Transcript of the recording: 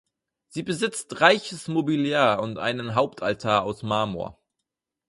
Sie besitzt reiches Mobiliar und einen Hauptaltar aus Marmor.